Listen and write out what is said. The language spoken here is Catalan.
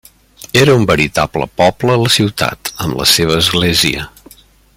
Era un veritable poble a la ciutat, amb la seva església.